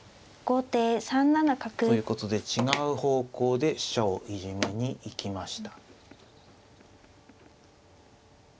後手３七角。ということで違う方向で飛車をいじめに行きました。